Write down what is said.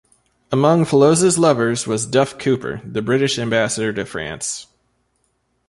Among Fellowes's lovers was Duff Cooper, the British ambassador to France.